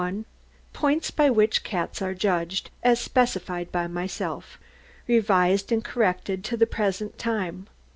] POINTS BY WHICH CATS ARE JUDGED, AS SPECIFIED BY MYSELF. _Revised and corrected to the present time.